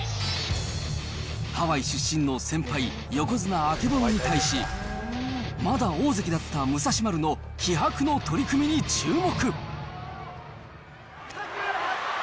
ハワイ出身の先輩、横綱・曙に対し、まだ大関だった武蔵丸の気迫の取組に注目。